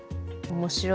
面白い。